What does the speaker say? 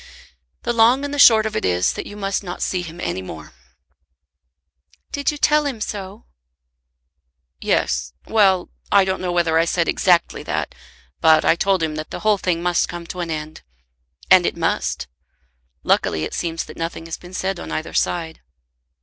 "The long and the short of it is that you must not see him any more." "Did you tell him so?" "Yes; well; I don't know whether I said exactly that, but I told him that the whole thing must come to an end. And it must. Luckily it seems that nothing has been said on either side."